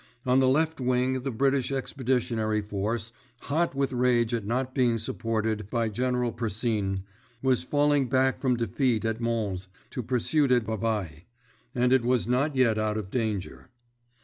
On the left wing the British expeditionary force, hot with rage at not being supported by General Percin, was falling back from defeat at Mons to pursuit at Bavay—and it was not yet out of danger.